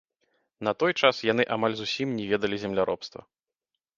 На той час яны амаль зусім не ведалі земляробства.